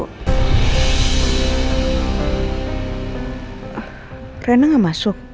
karena kan tadi rena tidak masuk hari ini